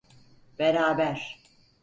Beraber.